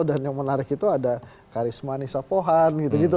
dan yang menarik itu ada karisma nisa pohan